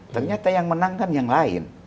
ternyata yang menang kan yang lain